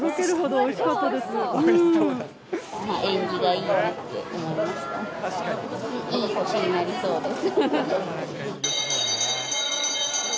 いい年になりそうです。